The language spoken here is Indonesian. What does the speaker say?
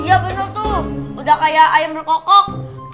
iya bener tuh udah kayak ayam berkokok